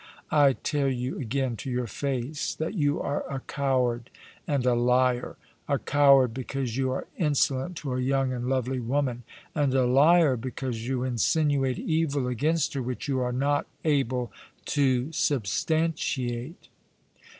I tell you again, to your face, that you are a coward and a liar — a coward because you are insolent to a young and lovely woman, and a liar because you insinuate evil against her which you are not able to substantiate."